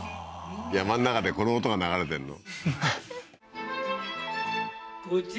山の中でこの音が流れてんの？